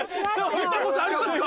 見たことありますか？